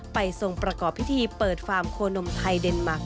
ทรงประกอบพิธีเปิดฟาร์มโคนมไทยเดนมาร์ค